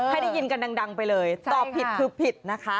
ให้ได้ยินกันดังไปเลยตอบผิดคือผิดนะคะ